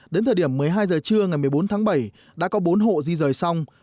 đến thời điểm một mươi hai giờ trưa ngày một mươi bốn tháng bảy đã có bốn hộ di rời xong